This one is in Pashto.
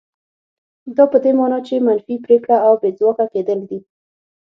دا په دې مانا چې منفي پرېکړه او بې ځواکه کېدل دي.